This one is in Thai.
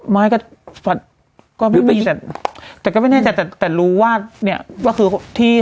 ไม่ก็ไม่มีแต่แต่ก็ไม่แน่ใจแต่แต่รู้ว่าเนี่ยก็คือที่